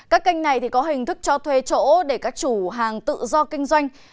các kênh này có hình thức cho thuê chỗ để các chủ hàng tự do kinh doanh